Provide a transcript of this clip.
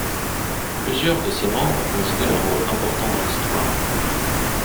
Plusieurs de ses membres ont joué un rôle important dans l'histoire.